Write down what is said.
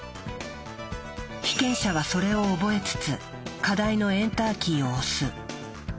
被験者はそれを覚えつつ課題のエンターキーを押す。